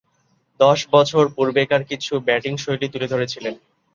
দশ বছর পূর্বেকার কিছু ব্যাটিংশৈলী তুলে ধরেছিলেন।